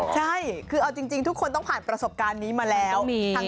ใช่คือเอาจริงทุกคนต้องผ่านประสบการณ์นี้มาแล้ว